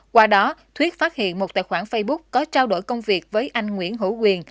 qua đó thuyết phát hiện một tài khoản facebook có trao đổi công việc với anh nguyễn hữu quyền